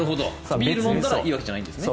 ビールを飲んだらいいわけじゃないんですね。